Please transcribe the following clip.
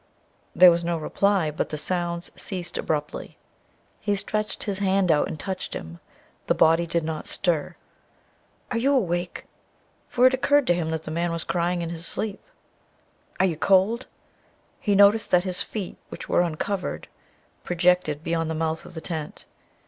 There was no reply, but the sounds ceased abruptly. He stretched his hand out and touched him. The body did not stir. "Are you awake?" for it occurred to him that the man was crying in his sleep. "Are you cold?" He noticed that his feet, which were uncovered, projected beyond the mouth of the tent.